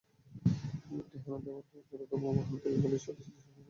কুমিরটি হানা দেওয়ার পরপরই ভবন থেকে পুলিশ সদস্যদের সরিয়ে নেওয়া হয়।